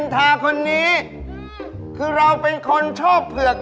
อ้ออย่างอักษรย่าหนูว่าชอบเผือก